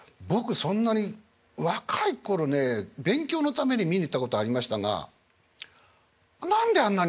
そんなに若い頃ね勉強のために見に行ったことありましたが何であんなに面白いんでしょう。